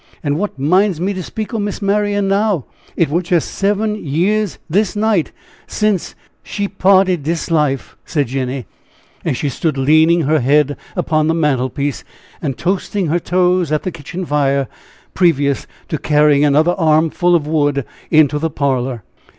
An' what minds me to speak o' Miss Marian now, it war jes' seven years this night, since she 'parted dis life," said Jenny, as she stood leaning her head upon the mantel piece, and toasting her toes at the kitchen fire, previous to carrying another armful of wood into the parlor.